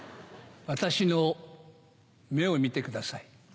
私の目を見てください。